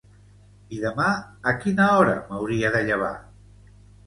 I demà, a quina hora m'hauria de llevar?